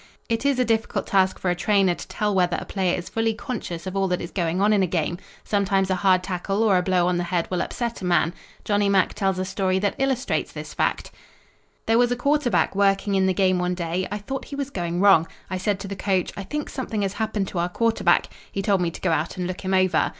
It is a difficult task for a trainer to tell whether a player is fully conscious of all that is going on in a game. Sometimes a hard tackle or a blow on the head will upset a man. Johnny Mack tells a story that illustrates this fact: "There was a quarterback working in the game one day. I thought he was going wrong. I said to the coach: 'I think something has happened to our quarterback.' He told me to go out and look him over.